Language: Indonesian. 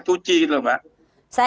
masih ada tuh saya